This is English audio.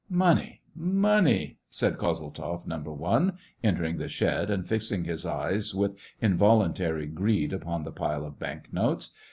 "Money, money!" said Kozeltzoff number one, entering the shed, and fixing his eyes, with invol. untary greed, upon the pile of bank notes.